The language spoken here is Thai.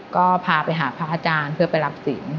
ก็พาไปหาพระอาจารย์เพื่อไปรับศิลป